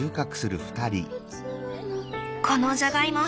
このじゃがいも